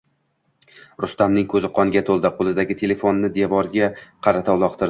Rustamning ko`zi qonga to`ldi, qo`lidagi telefonni devorga qarata uloqtirdi